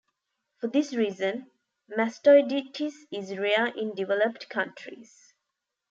For this reason, mastoiditis is rare in developed countries.